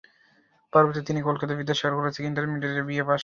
পরবর্তীতে তিনি কলকাতার বিদ্যাসাগর কলেজ থেকে ইন্টারমিডিয়েট ও বিএ পাস করেন।